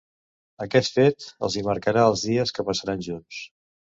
Aquest fet els hi marcarà els dies que passaran junts.